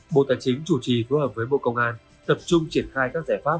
bộ tài chính chủ trì phối hợp với bộ công an tập trung triển khai các giải pháp